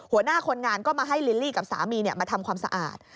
หัวหน้าคนงานก็มาให้ลิลลี่กับสามีมาทำความสะอาด